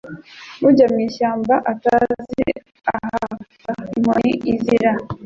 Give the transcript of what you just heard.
ujya mu ishyamba utazi ukahaca inkoni izira